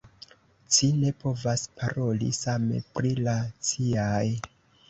Ci ne povas paroli same pri la ciaj.